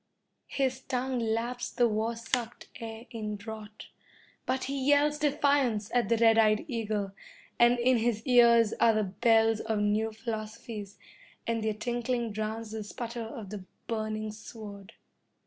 His tongue laps the war sucked air in drought, but he yells defiance at the red eyed eagle, and in his ears are the bells of new philosophies, and their tinkling drowns the sputter of the burning sword.